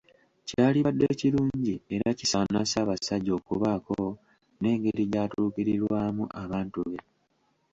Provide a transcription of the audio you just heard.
Kyalibadde kirungi era kisaana Ssabasajja okubaako n’engeri gyatuukirirwamu abantu be.